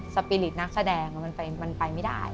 สปีริตนักแสดงมันไปไม่ได้